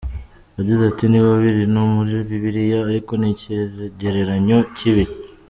Yagize ati “Niba biri no muri bibiliya ariko ni ikigereranyo kibi.